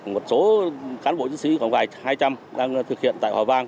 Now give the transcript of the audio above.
một số cán bộ chiến sĩ còn vài hai trăm linh đang thực hiện tại hòa vang